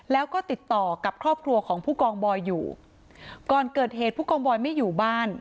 แล้วก็ติดต่อกับครอบครัวของผู้กองบอยอยู่ก่อนเกิดเหตุผู้กองบอยไม่อยู่บ้าน